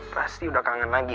pasti udah kangen lagi